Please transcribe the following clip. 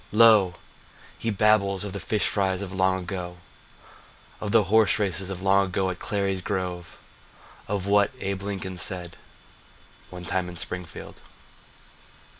Lo! he babbles of the fish frys of long ago, Of the horse races of long ago at Clary's Grove, Of what Abe Lincoln said One time at Springfield.